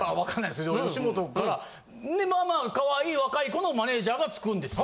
でまあかわいい若い子のマネジャーがつくんです。